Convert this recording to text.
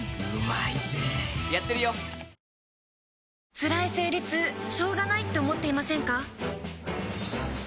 つらい生理痛しょうがないって思っていませんか？